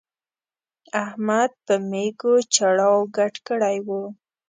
احمد په مېږو چړاو ګډ کړی وو.